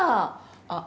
あっ。